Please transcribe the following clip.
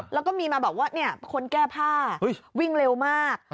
แล้วก็มีมาบอกว่าคนแก้ผ้าวิ่งเร็วมาก